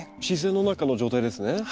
自然の中の状態ですね。